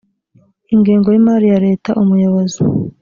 ingengo y imari ya leta umuyobozi